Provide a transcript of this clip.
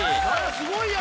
すごいよ！